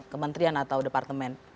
kementrian atau departemen